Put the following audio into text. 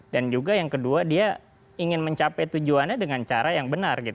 dan juga yang kedua dia ingin mencapai tujuannya dengan cara yang benar